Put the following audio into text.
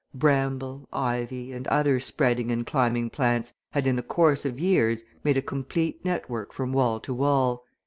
Bramble, ivy, and other spreading and climbing plants had, in the course of years, made a complete network from wall to wall.